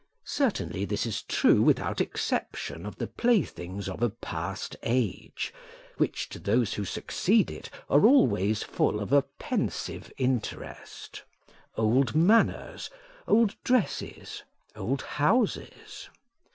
Certainly, this is true without exception of the playthings of a past age, which to those who succeed it are always full of a pensive interest old manners, old dresses, old houses.